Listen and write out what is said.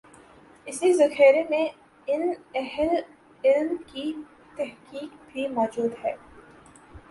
اسی ذخیرے میں ان اہل علم کی تحقیق بھی موجود ہے۔